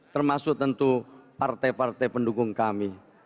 termasuk tentu partai partai pendukung kami